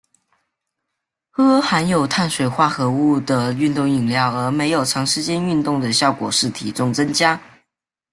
喝含有碳水化合物的运动饮料而没有长时间运动的效果是体重增加。